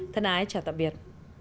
thân ái chào tạm biệt